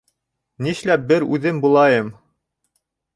Нишләп бер үҙем булайым?